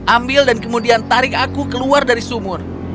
ambil dan kemudian tarik aku keluar dari sumur